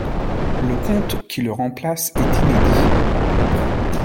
Le conte qui le remplace est inédit.